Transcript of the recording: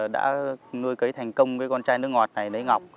đã nuôi cấy thành công cái con chai nước ngọt này lấy ngọc